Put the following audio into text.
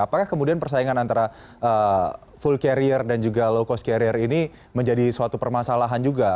apakah kemudian persaingan antara full carrier dan juga low cost carrier ini menjadi suatu permasalahan juga